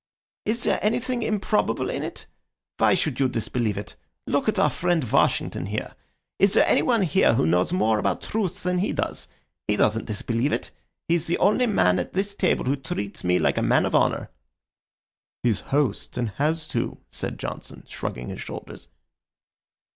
"Is there anything improbable in it? Why should you disbelieve it? Look at our friend Washington here. Is there any one here who knows more about truth than he does? He doesn't disbelieve it. He's the only man at this table who treats me like a man of honor." "He's host and has to," said Johnson, shrugging his shoulders.